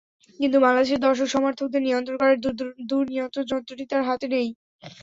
কিন্তু বাংলাদেশের দর্শক-সমর্থকদের নিয়ন্ত্রণ করার দূর নিয়ন্ত্রণ যন্ত্রটি তাঁর হাতে নেই।